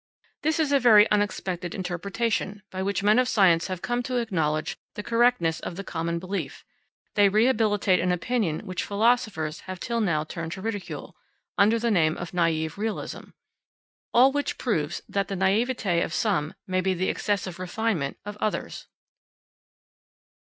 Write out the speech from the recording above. This is a very unexpected interpretation, by which men of science have come to acknowledge the correctness of the common belief: they rehabilitate an opinion which philosophers have till now turned to ridicule, under the name of naïve realism. All which proves that the naïveté of some may be the excessive refinement of others.